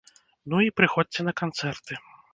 Ну, і прыходзьце на канцэрты!